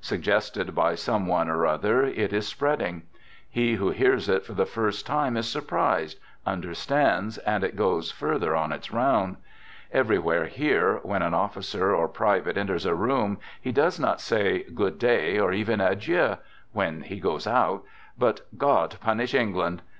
Sug gested by some one or other, it is spreading. He who hears it for the first time is surprised, under stands, and it goes further on its round. Every where here, when an officer or private enters a room, he does not say " Good day," or even " Adieu " when he goes out, but " God punish England